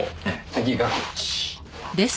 次がこっち。